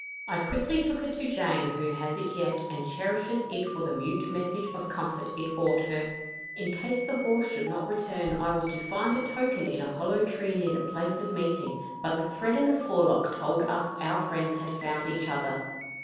I quickly took it to Jane, who has it yet, and cherishes it for the mute message of comfort it brought her. In case the horse should not return, I was to find a token in a hollow tree near the place of meeting; but the thread in the forelock told us our friends had found each other.